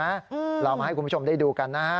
เรามาให้คุณผู้ชมได้ดูกันนะฮะ